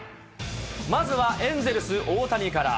まずはエンゼルス、大谷から。